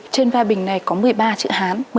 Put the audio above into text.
trên vai bình này có một mươi ba chữ hán